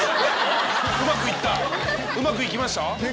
うまくいったうまくいきました？